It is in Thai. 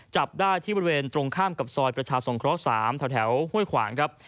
จับได้ที่บริเวณตรงข้ามกับซอยประชาสงเคราะห์๓แถวห้วยขวางครับ